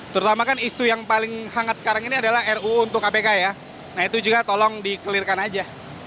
terutama kan isu yang paling hangat sekarang ini adalah ruu untuk kpk ya nah itu juga tolong di clear kan aja